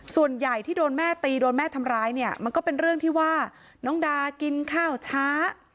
ส่วนใหญ่ที่โดนแม่ตีโดนแม่ทำร้ายเนี่ยมันก็เป็นเรื่องที่ว่าน้องดากินข้าวช้า